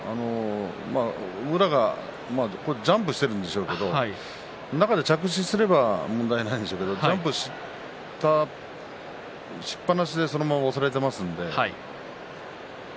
宇良がジャンプしているんでしょうけれど中で着地すれば問題ないんでしょうけれどジャンプしっぱなしでそのまま押されていますので。